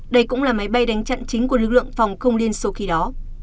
đây cũng là máy bay đánh chặn chính của lực lượng phòng không liên xô khi đó